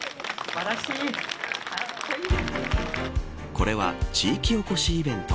これは地域おこしイベント